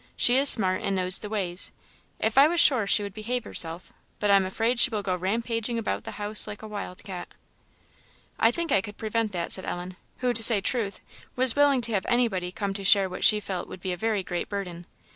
She is smart, and knows the ways. If I was sure she would behave herself but I am afraid she will go rampaging about the house like a wild cat." "I think I could prevent that," said Ellen; who, to say truth, was willing to have anybody come to share what she felt would be a very great burden.